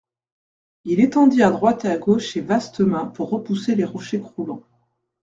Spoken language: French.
Il étendit à droite et à gauche ses vastes mains pour repousser les rochers croulants.